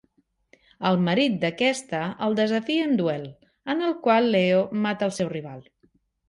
El marit d'aquesta el desafia en duel, en el qual Leo mata el seu rival.